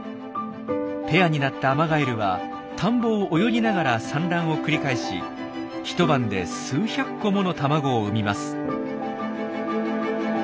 ペアになったアマガエルは田んぼを泳ぎながら産卵を繰り返し一晩で数百個もの卵を産みます。